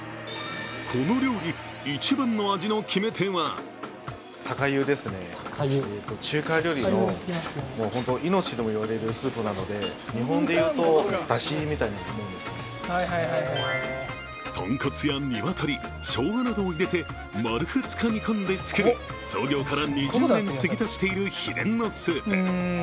この料理一番の味の決め手は豚骨や鶏、しょうがなどを入れて丸２日煮込んで作る創業から２０年継ぎ足している秘伝のスープ。